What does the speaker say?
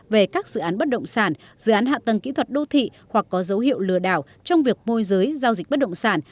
về các dự án bất động sản dự án hạ tầng kỹ thuật đô thị hoặc có dấu hiệu lừa đảo trong việc môi giới giao dịch bất động sản